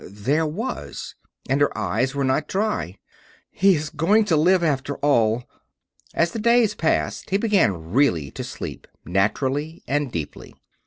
There was, and her eyes were not dry. "He is going to live, after all!" As the days passed, he began really to sleep, naturally and deeply.